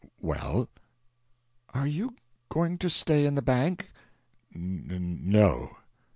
"Well?" "Are you going to stay in the bank?" "N no."